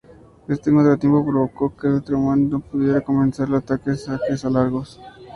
Este contratiempo provocó que Trautmann no pudiera comenzar los ataques con saques largos.